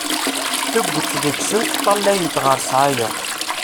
Tuget deg-sent ṭṭalayent ɣer ssɛaya.